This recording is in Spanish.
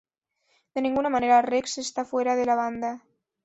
De ninguna manera Rex está fuera de la banda.